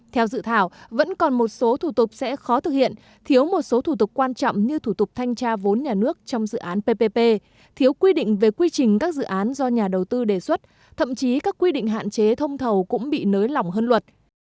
theo dự thảo vẫn còn một số thủ tục sẽ khó thực hiện thiếu một số thủ tục quan trọng như thủ tục thanh tra vốn nhà nước trong dự án ppp thiếu quy định về quy trình các dự án do nhà đầu tư đề xuất thậm chí các quy định hạn chế thông thầu cũng bị nới lỏng hơn luật